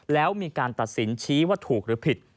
แล้วมีการตัดสินชี้ว่าถูกหรือผิด